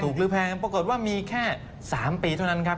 หรือแพงปรากฏว่ามีแค่๓ปีเท่านั้นครับ